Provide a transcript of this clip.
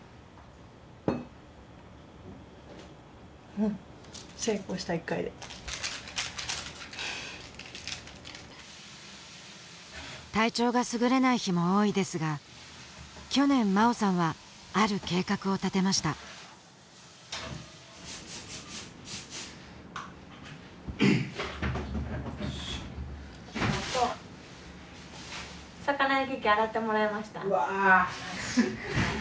うん成功した１回で体調が優れない日も多いですが去年茉緒さんはある計画を立てましたありがとう魚焼き器洗ってもらいましたうわ！